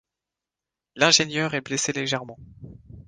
L'ingénieur est blessé légèrement.